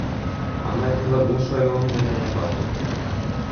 Анын айтымында, бул шайлоонун жыйынтыгына таасир эткен.